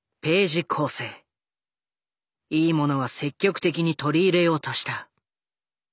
いいものは積極的に取り入れようとした。